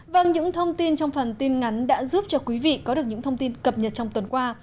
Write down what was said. vâng những thông tin trong phần tin ngắn đã giúp cho quý vị có được những thông tin cập nhật trong tuần qua